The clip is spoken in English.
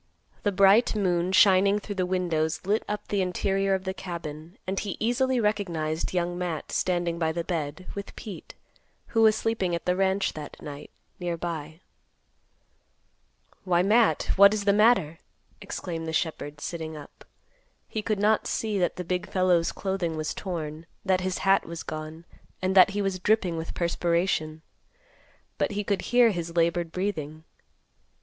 The bright moon shining through the windows lit up the interior of the cabin and he easily recognized Young Matt standing by the bed, with Pete, who was sleeping at the ranch that night, near by. "Why, Matt, what is the matter?" exclaimed the shepherd, sitting up. He could not see that the big fellow's clothing was torn, that his hat was gone, and that he was dripping with perspiration; but he could hear his labored breathing.